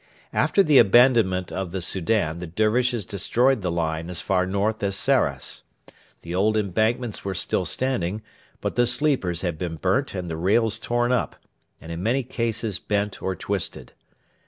After the abandonment of the Soudan the Dervishes destroyed the line as far north as Sarras. The old embankments were still standing, but the sleepers had been burnt and the rails torn up, and in many cases bent or twisted.